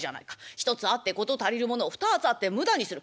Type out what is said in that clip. １つあって事足りるものを２つあって無駄にする。